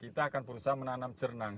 kita akan berusaha menanam jernang